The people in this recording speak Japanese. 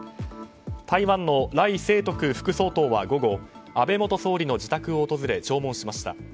台湾のライ・セイトク副総統は午後、安倍元総理の自宅を訪れ弔問しました。